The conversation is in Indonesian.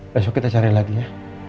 besok kita cari lagi ya